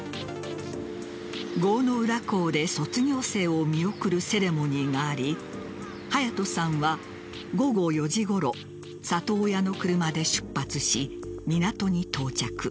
郷ノ浦港で卒業生を見送るセレモニーがあり隼都さんは午後４時ごろ里親の車で出発し、港に到着。